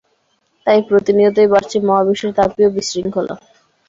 তাই প্রতিনিয়ত বাড়ছে মহাবিশ্বের তাপীয় বিশৃঙ্খলা।